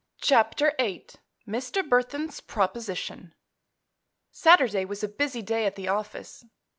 CHAPTER VIII MR. BURTHON'S PROPOSITION Saturday was a busy day at the office.